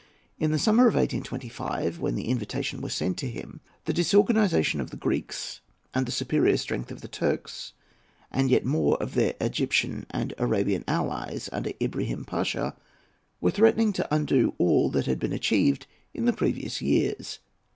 In the summer of 1825, when the invitation was sent to him, the disorganisation of the Greeks and the superior strength of the Turks, and yet more of their Egyptian and Arabian allies under Ibrahim Pasha, were threatening to undo all that had been achieved in the previous years.